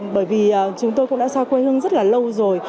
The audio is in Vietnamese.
bởi vì chúng tôi cũng đã xa quê hương rất là lâu rồi